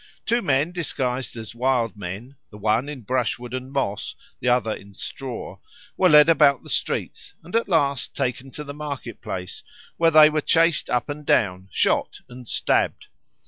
Two men disguised as Wild Men, the one in brushwood and moss, the other in straw, were led about the streets, and at last taken to the market place, where they were chased up and down, shot and stabbed.